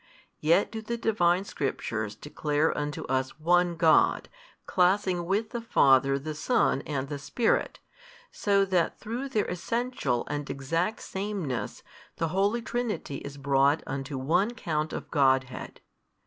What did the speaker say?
Yet do the Divine Scriptures |265 declare unto us One God, classing with the Father the Son and the Spirit, so that through Their Essential and exact sameness the Holy Trinity is brought unto one count of Godhead.